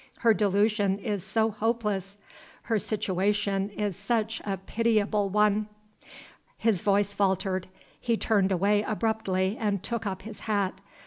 Her delusion is so hopeless! her situation is such a pitiable one!" His voice faltered. He turned away abruptly and took up his hat.